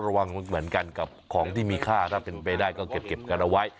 ระวังเหมือนกันกับของที่มีค่าถ้าเป็นไปได้ก็เก็บกันเอาไว้